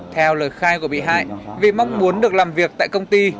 theo lời khai của bị hại vì mong muốn được làm việc tại công ty